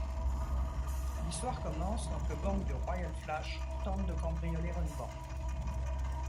L'histoire commence quand le gang du Royal Flush tente de cambrioler une banque.